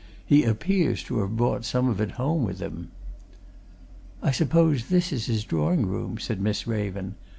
He appears to have brought some of it home with him." "I suppose this is his drawing room," said Miss Raven.